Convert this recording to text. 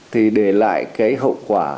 thì để lại cái hậu quả